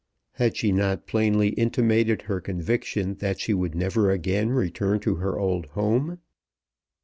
Had she not plainly intimated her conviction that she would never again return to her old home?